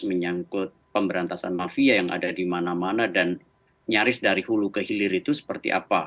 menyangkut pemberantasan mafia yang ada di mana mana dan nyaris dari hulu ke hilir itu seperti apa